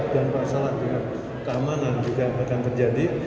dan masalah keamanan juga akan terjadi